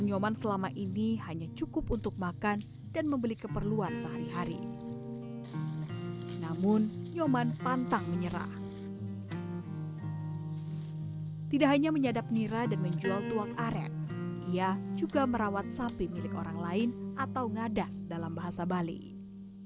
hyman selama ini hanya cukup untuk makan dan membeli keperluan sehari hari namun nyoman pantang menyerah tidak hanya menyadap nira dan menjual tuank arek saya juga merawat sapi milik orang lain atau ngadas dalam bahasa bali memberi panggilan tresur dan memcermati